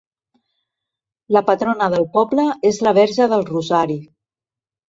La patrona del poble és la verge del Rosari.